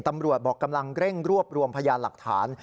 ตำรวจบอกกำลังเร่งรวบรวมพยานหลักฐาน